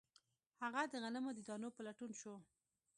هغه د غنمو د دانو په لټون شو